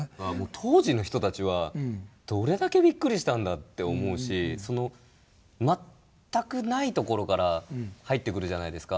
当時の人たちはどれだけびっくりしたんだって思うし全くない所から入ってくるじゃないですか。